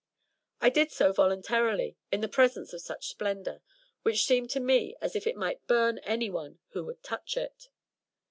I did so voluntarily, in the presence of such splendor, which seemed to me as if it might bum any one who should touch it!